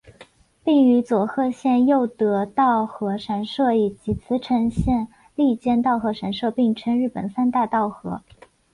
并与佐贺县佑德稻荷神社以及茨城县笠间稻荷神社并称日本三大稻荷。